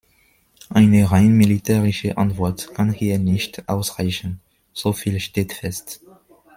Eine rein militärische Antwort kann hier nicht ausreichen, soviel steht fest.